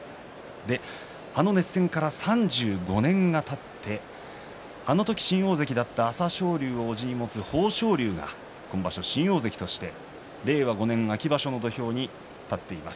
あの熱戦から３５年がたってあの時新大関だった朝青龍をおじに持つ豊昇龍が今場所新大関として令和５年秋場所の土俵に立っています。